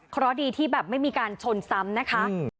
เพราะดีที่แบบไม่มีการชนซ้ำนะคะ